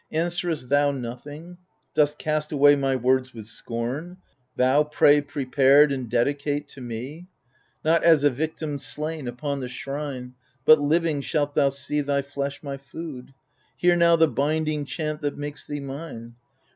Answerest thou Nothing ? dost cast away my words with scorn. Thou, prey prepared and dedicate to me ? Not as a victim slain upon the shrine. But living shalt thou see thy flesh my food. Hear now the binding chant that msLkes thee mine.